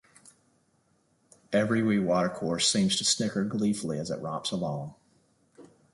Every wee watercourse seems to snicker gleefully as it romps along.